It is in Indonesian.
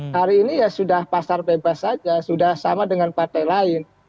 hari ini ya sudah pasar bebas saja sudah sama dengan partai lain